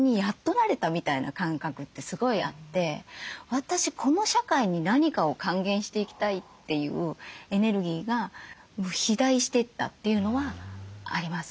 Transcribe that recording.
私この社会に何かを還元していきたいというエネルギーが肥大していったというのはあります。